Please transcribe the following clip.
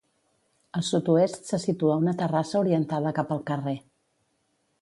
Al sud-oest se situa una terrassa orientada cap al carrer.